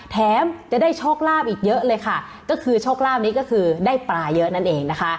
แถมจะได้โชคลาภอีกเยอะเลยค่ะก็คือโชคลาภนี้ก็คือได้ปลาเยอะนั่นเองนะคะ